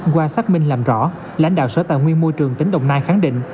qua xác minh làm rõ lãnh đạo sở tài nguyên môi trường tỉnh đồng nai khẳng định